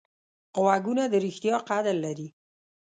غوږونه د ریښتیا قدر لري